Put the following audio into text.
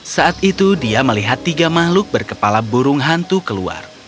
saat itu dia melihat tiga makhluk berkepala burung hantu keluar